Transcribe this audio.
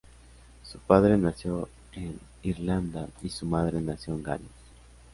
Su padre nació en Irlanda y su madre nació en Gales.